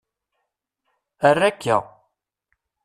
Err akka.